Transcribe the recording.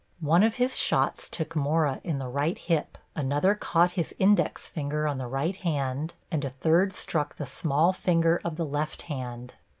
One of his shots took Mora in the right hip, another caught his index finger on the right hand, and a third struck the small finger of the left hand.